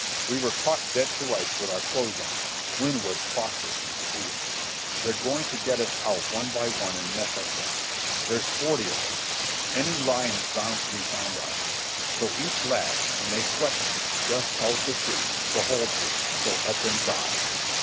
We were caught dead to rights with our clothes on. Winwood crossed us and squealed. They're going to get us out one by one and mess us up. There's forty of us. Any lyin's bound to be found out. So each lad, when they sweat him, just tells the truth, the whole truth, so help him God."